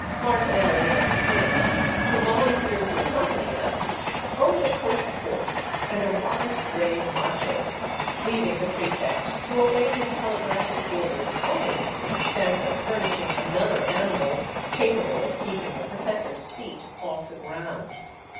Martinelli of the cinema, who volunteered to accompany us, owned a coast horse and a wise gray macho, leaving the prefect to obey his telegraphic orders only to the extent of furnishing another animal capable of keeping the professor's feet off the ground.